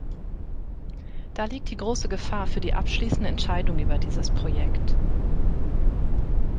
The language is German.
Da liegt die große Gefahr für die abschließende Entscheidung über dieses Projekt.